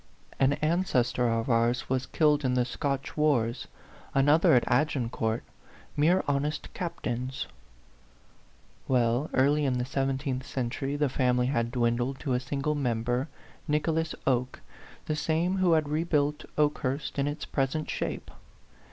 An ancestor of ours was killed in the Scotch wars, another at Agincourt mere honest captains." Well, early in the seventeenth century, the family had dwindled to a single member, Nicholas Oke, the same who had rebuilt Okehurst in its present shape.